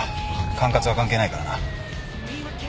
管轄は関係ないからな。